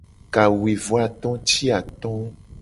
Kawuivoato ti ato.